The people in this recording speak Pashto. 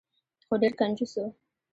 خو ډیر کنجوس و.